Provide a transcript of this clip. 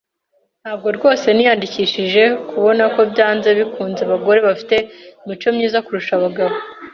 Ntabwo rwose niyandikishije kubona ko byanze bikunze abagore bafite imico myiza kurusha abagabo.